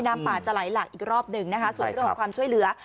น้ำป่าจะไหลหลักอีกรอบหนึ่งนะคะส่วนเรื่องของความช่วยเหลือ